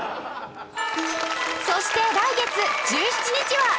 そして来月１７日は